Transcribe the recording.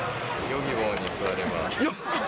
ヨギボーに座れば。